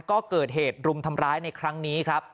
ก็เกิดเหตุรุมทำร้ายในครั้งนี้ครับ